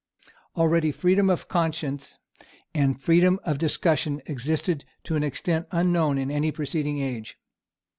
Already freedom of conscience and freedom of discussion existed to an extent unknown in any preceding age.